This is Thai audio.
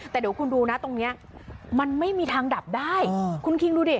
แต่เดี๋ยวคุณดูนะตรงนี้มันไม่มีทางดับได้คุณคิงดูดิ